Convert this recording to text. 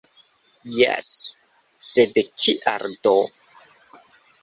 Jes, sed kial do?